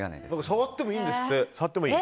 触ってもいいんですって。